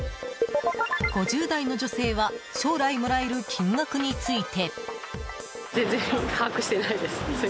５０代の女性は将来もらえる金額について。